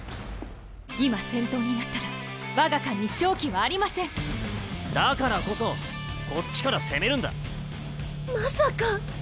今戦闘になったらわが艦に勝機はありだからこそこっちから攻めるんだまさか！